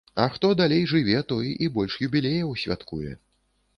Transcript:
А хто далей жыве, той і больш юбілеяў святкуе.